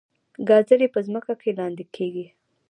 ګازرې په ځمکه کې لاندې کیږي